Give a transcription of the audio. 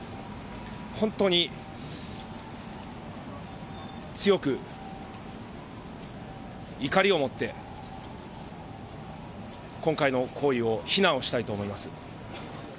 本当に強く怒りを持って今回の行為を非難したいと思います。